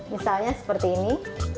misalnya seperti ini